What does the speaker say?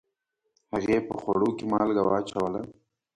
هغې په خوړو کې مالګه واچوله